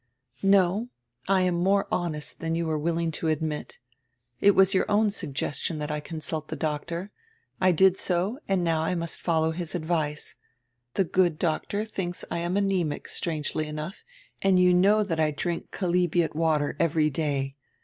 "No, I am more honest than you are willing to admit It was your own suggestion that I consult the doctor. I did so and now I must follow his advice. The good doctor thinks I am anaemic, strangely enough, and you know that I drink chalybeate water every day.